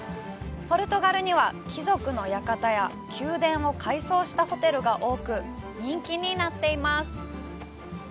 ポルトガルには貴族の館や宮殿を改装したホテルが多く人気になっています。